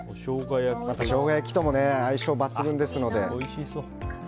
ショウガ焼きとも相性抜群ですので。